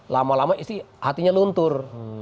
lama lama isi hatinya luntur